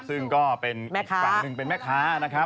ซึ่งก็เป็นอีกฝั่งหนึ่งเป็นแม่ค้านะครับ